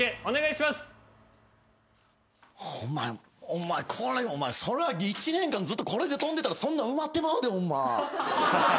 お前これそりゃあ１年間ずっとこれで跳んでたらそんな埋まってまうで。